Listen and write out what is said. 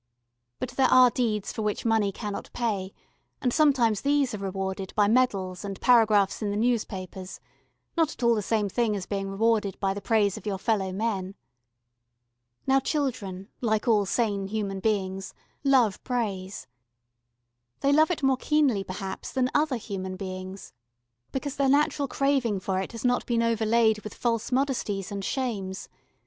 But there are deeds for which money cannot pay, and sometimes these are rewarded by medals and paragraphs in the newspapers not at all the same thing as being rewarded by the praise of your fellow men. Now children, like all sane human beings, love praise. They love it more keenly perhaps than other human beings because their natural craving for it has not been overlaid with false modesties and shames.